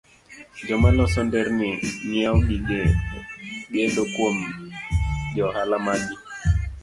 Joma loso nderni ng'iewo gige gedo kuom jo ohala maggi